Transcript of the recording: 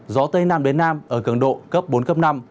gió tây nam đến nam ở cường độ cấp bốn cấp năm